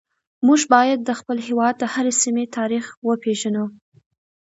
موږ باید د خپل هیواد د هرې سیمې تاریخ وپیژنو